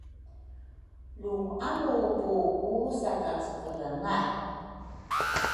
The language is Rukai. Lu alupu ku sakacekele nay